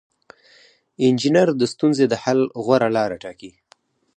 انجینر د ستونزې د حل غوره لاره ټاکي.